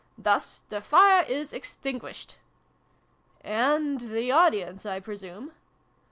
Thus the fire is extinguished." " And the audience, I presume